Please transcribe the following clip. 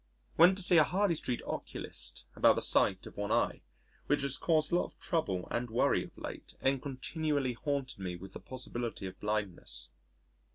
Went to see a Harley Street oculist about the sight of one eye, which has caused a lot of trouble and worry of late and continuously haunted me with the possibility of blindness.